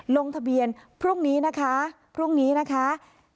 ลงทะเบียนพรุ่งนี้นะคะ